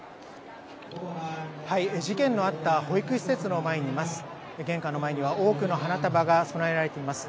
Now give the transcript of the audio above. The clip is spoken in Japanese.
事件のあった保育施設の前にいます。